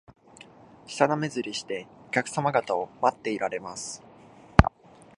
舌なめずりして、お客さま方を待っていられます